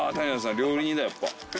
料理人だやっぱ。